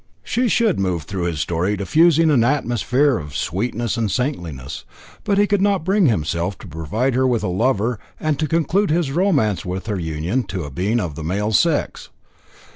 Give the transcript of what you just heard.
She should move through his story diffusing an atmosphere of sweetness and saintliness, but he could not bring himself to provide her with a lover, and to conclude his romance with her union to a being of the male sex.